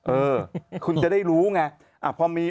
เออคุณจะได้รู้ไง